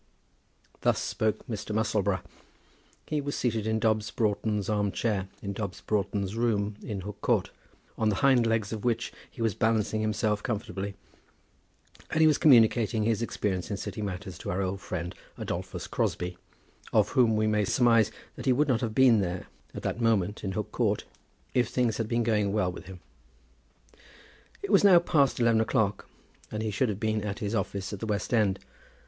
Thus spoke Mr. Musselboro. He was seated in Dobbs Broughton's arm chair in Dobbs Broughton's room in Hook Court, on the hind legs of which he was balancing himself comfortably; and he was communicating his experience in City matters to our old friend, Adolphus Crosbie, of whom we may surmise that he would not have been there, at that moment, in Hook Court, if things had been going well with him. It was now past eleven o'clock, and he should have been at his office at the West End.